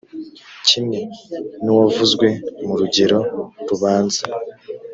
kimwe nuwavuzwe mu rugero rubanza.